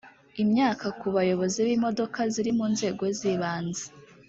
imyaka ku bayobozi b imodoka ziri mu nzego zibanze